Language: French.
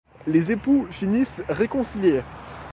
Les époux finissent réconciliés.